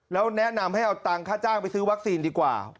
แล้วแนะนำให้เอาตังค่าจ้างไปซื้อวัคซีนดีกว่า